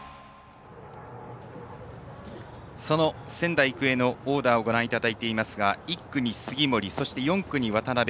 その仙台育英のオーダーをご覧いただいていますが１区に杉森、４区に渡邉